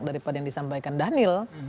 daripada yang disampaikan dhanil